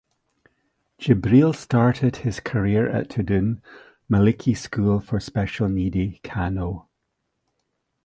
Jibril started his career at Tudun Maliki School for special needy Kano.